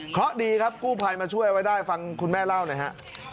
เพราะดีครับกู้ภัยมาช่วยไว้ได้ฟังคุณแม่เล่าหน่อยฮะ